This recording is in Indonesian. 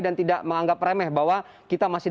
dan tidak menganggap remeh bahwa kita masih